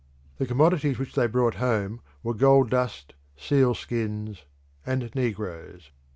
The commodities which they brought home were gold dust, seal skins, and negroes.